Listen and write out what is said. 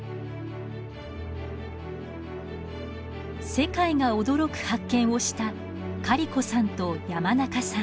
世界が驚く発見をしたカリコさんと山中さん。